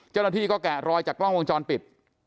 เจ้าหน้าที่ก็แกะรอยจากกล้องวงจรปิด